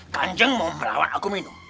kanjang mau melawan aku minum